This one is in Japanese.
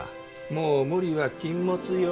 もう無理は禁物よ。